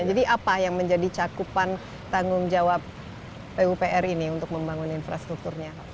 apa yang menjadi cakupan tanggung jawab pupr ini untuk membangun infrastrukturnya